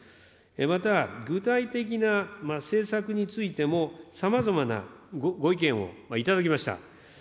また、具体的な政策についても、さまざまなご意見を頂きました。